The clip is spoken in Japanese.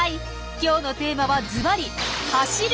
今日のテーマはズバリ「走る」